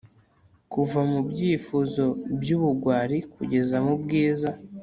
Kuva mubyifuzo byubugwari kugeza mubwiza